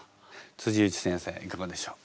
内先生いかがでしょう？